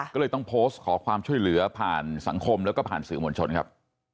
ก็เลยต้องโพสต์ขอความช่วยเหลือผ่านสังคมแล้วก็ผ่านสื่อมวลชนครับ